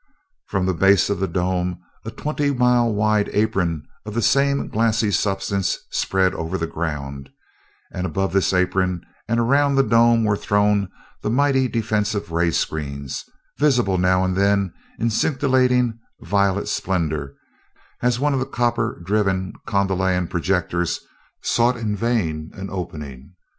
From the base of the dome a twenty mile wide apron of the same glassy substance spread over the ground, and above this apron and around the dome were thrown the mighty defensive ray screens, visible now and then in scintillating violet splendor as one of the copper driven Kondalian projectors sought in vain for an opening.